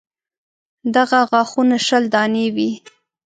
دغه غاښونه شل دانې وي.